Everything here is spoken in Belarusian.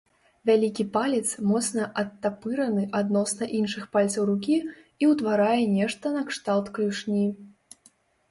Вялікі палец моцна адтапыраны адносна іншых пальцаў рукі і ўтварае нешта накшталт клюшні.